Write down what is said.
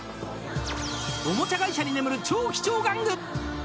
おもちゃ会社に眠る超貴重玩具。